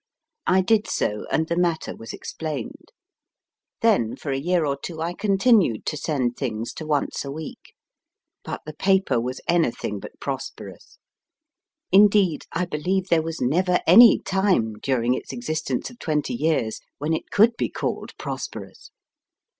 I did so, and the matter was explained. Then for a year or two I continued to send things to Once a Week. But the paper was anything but prosperous. Indeed, I believe there was never any time during its existence of twenty years when it could be called prosperous.